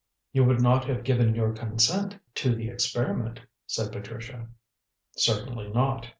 "You would not have given your consent to the experiment," said Patricia. "Certainly not.